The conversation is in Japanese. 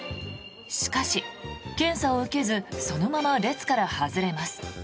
しかし、検査を受けずそのまま列から外れます。